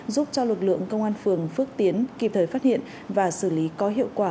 giúp cho lực lượng công an phường phước tiến kịp thời phát hiện và xử lý có hiệu quả